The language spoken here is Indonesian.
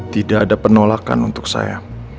tidak ada penolakan untuk saya